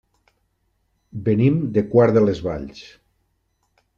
Venim de Quart de les Valls.